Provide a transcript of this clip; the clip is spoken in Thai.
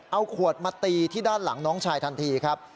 เอาขวดมาตีที่ด้านหลังน้องชายทันทีครับ